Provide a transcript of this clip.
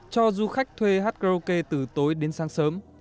cho du khách thuê hát karaoke từ tối đến sáng sớm